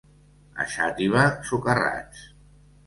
A Xàtiva, socarrats.